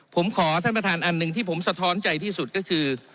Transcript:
ผมขอท่านประธานอันหนึ่งที่ผมสะท้อนใจที่สุดก็คือ